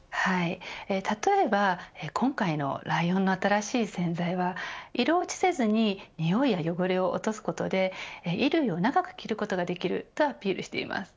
例えば、今回のライオンの新しい洗剤は色落ちせずににおいや汚れを落とすことで衣類を長く着ることができるとアピールしています。